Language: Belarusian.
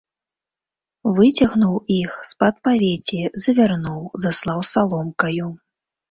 Выцягнуў іх з-пад павеці, завярнуў, заслаў саломкаю.